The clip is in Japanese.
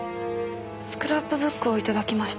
スクラップブックを頂きました。